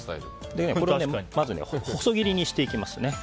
まず細切りにしていきます。